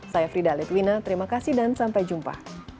saya frida litwina terima kasih dan sampai jumpa